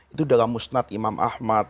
itu dalam musnad imam ahmad